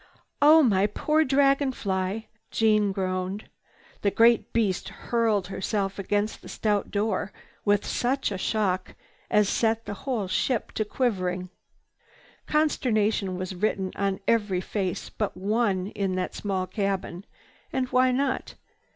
"Oh my poor Dragon Fly!" Jeanne groaned. The great beast hurled herself against the stout door with such a shock as set the whole ship to quivering. Consternation was written on every face but one in that small cabin. And why not?